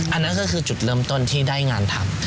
อันนั้นก็คือจุดเริ่มต้นที่ได้งานทำ